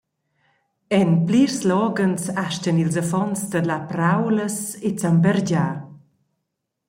En plirs loghens astgan ils affons tedlar praulas e zambergiar.